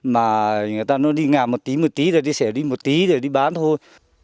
mà người ta nó đi ngạp một tí một tí rồi đi sẻ đi một tí rồi đi bán thôi